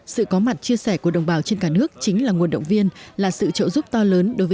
sự có mặt chia sẻ của đồng bào trên cả nước chính là nguồn động viên là sự trợ giúp to lớn đối với nhân dân san á